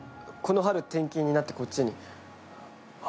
この春転勤になってこっちに。